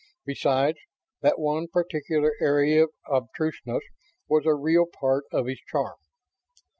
Besides, that one particular area of obtuseness was a real part of his charm.